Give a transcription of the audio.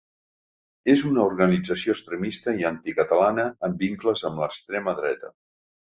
És una organització extremista i anticatalana amb vincles amb l’extrema dreta.